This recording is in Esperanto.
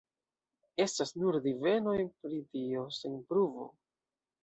Estas nur divenoj pri tio, sen pruvo.